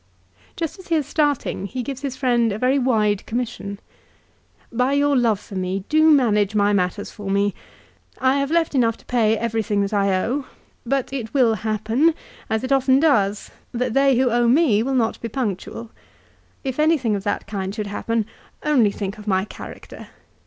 Just as he is starting he gives his friend a very wide commission. " By your love for me, do manage my matters for me. I have left enough to pay everything that I owe. But it will happen, as it often does, that they who owe me will not be punctual. If anything of that kind should happen only think of my character.